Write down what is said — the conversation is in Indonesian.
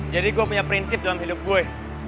jadi gue punya prinsip dalam hidup gue